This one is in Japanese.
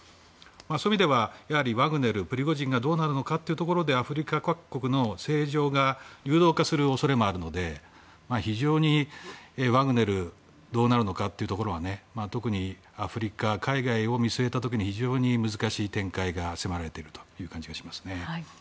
そういう意味ではワグネル、プリゴジンがどうなるのかというところでアフリカ各国の政情が流動化する恐れもあるので非常にワグネルがどうなるのかは特にアフリカ、海外を見据えた時に非常に難しい展開が迫られている感じがしますね。